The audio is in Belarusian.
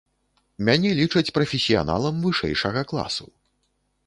Мяне лічаць прафесіяналам вышэйшага класу.